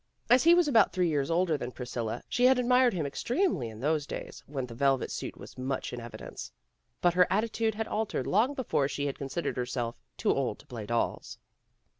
As he was about three years older than Priscilla she had admired him extremely in those days when the velvet suit was much in evidence. But her attitude had altered long before she had con sidered herself too old to play dolls.